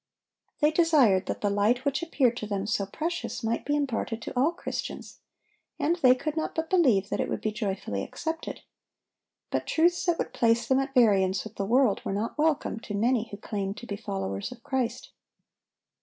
They desired that the light which appeared to them so precious might be imparted to all Christians; and they could not but believe that it would be joyfully accepted. But truths that would place them at variance with the world were not welcome to many who claimed to be followers of Christ.